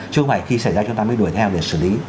chứ không phải khi xảy ra chúng ta mới đuổi theo để xử lý